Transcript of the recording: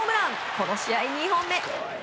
この試合２本目。